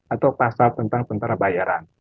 atau pasal tentang tentara bayaran